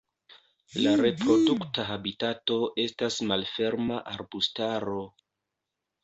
La reprodukta habitato estas malferma arbustaro.